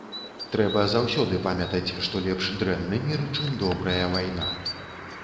Трэба заўсёды памятаць, што лепш дрэнны мір, чым добрая вайна.